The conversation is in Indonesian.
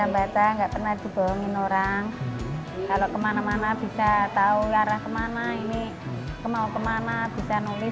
biar pinter bisa baca nggak pernah dibohongin orang